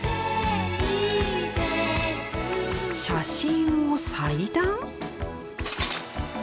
写真を裁断？